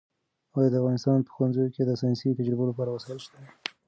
ایا د افغانستان په ښوونځیو کې د ساینسي تجربو لپاره وسایل شته؟